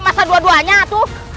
masa dua duanya tuh